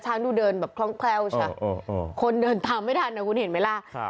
ดูเดินแบบคล่องแคล่วใช่ไหมคนเดินตามไม่ทันนะคุณเห็นไหมล่ะ